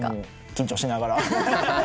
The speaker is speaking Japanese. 緊張しながら。